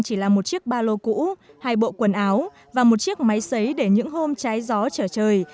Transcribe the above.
chỉ là một chiếc ba lô cũ hai bộ quần áo và một chiếc máy xấy để những hôm trái gió trở trời